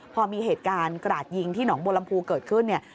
พอมีเหตุการณ์กราดยิงที่หนองบัวลำพูเกิดขึ้นเนี่ย